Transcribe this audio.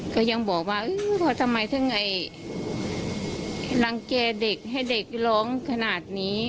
ก็ยังบอกว่าทำไมถึงรังแก่เด็กให้เด็กร้องขนาดนี้